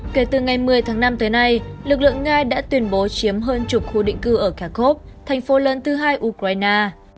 kể từ ngày một mươi tháng năm tới nay lực lượng nga đã tuyên bố chiếm hơn chục khu định cư ở cakov thành phố lớn thứ hai ukraine